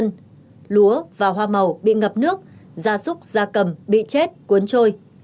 lúa và hoa màu bị ngập nước gia súc gia cầm bị chết cuốn trôi